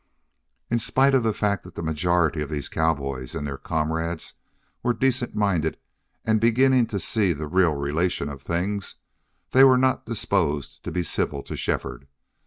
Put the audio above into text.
In spite of the fact that the majority of these cowboys and their comrades were decent minded and beginning to see the real relation of things, they were not disposed to be civil to Shefford.